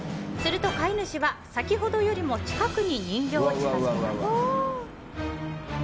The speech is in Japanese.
すると飼い主は先ほどよりも近くに人形を近づけます。